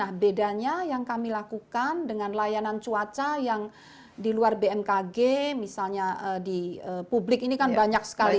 nah bedanya yang kami lakukan dengan layanan cuaca yang di luar bmkg misalnya di publik ini kan banyak sekali